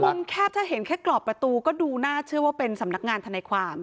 มุมแคบถ้าเห็นแค่กรอบประตูก็ดูน่าเชื่อว่าเป็นสำนักงานทนายความ